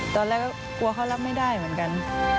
ตอนแรกก็กลัวเขารับไม่ได้เหมือนกัน